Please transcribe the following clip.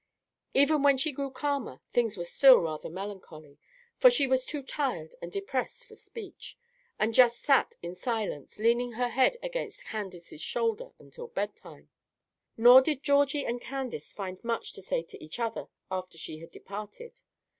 Even when she grew calmer, things were still rather melancholy; for she was too tired and depressed for speech, and just sat in silence, leaning her head against Candace's shoulder until bedtime. Nor did Georgie and Candace find much to say to each other after she had departed.